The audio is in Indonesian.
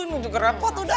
ini juga rapat udah